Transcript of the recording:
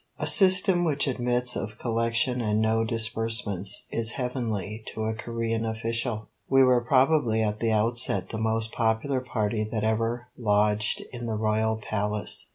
A system which admits of collection and no disbursements is heavenly to a Corean official. We were probably at the outset the most popular party that had ever lodged in the royal Palace.